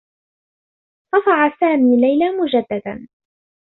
صفع سامي ليلى مجدّدا.